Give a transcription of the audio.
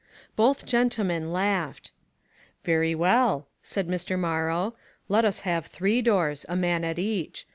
Both gentlemen laughed. "Very well," said Mr. Morrow, "let us have three doors — a man at each.